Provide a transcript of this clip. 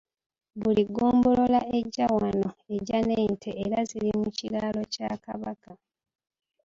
Buli ggombolola ejja wano ejja n'ente era ziri mu kiraalo kya Kabaka.